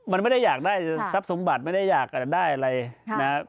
มันไม่ได้อยากได้ทรัพย์สมบัติไม่ได้อยากได้อะไรนะครับ